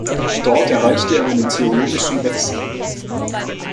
Dort erreichte er einen theologischen Wechsel.